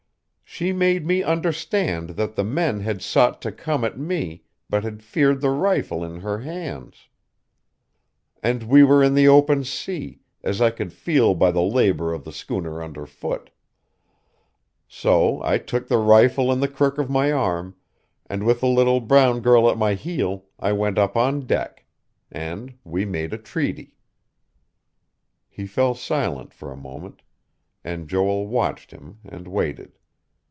She made me understand that the men had sought to come at me, but had feared the rifle in her hands.... "And we were in the open sea, as I could feel by the labor of the schooner underfoot. So I took the rifle in the crook of my arm, and with the little brown girl at my heel, I went up on deck. And we made a treaty." He fell silent for a moment, and Joel watched him, and waited.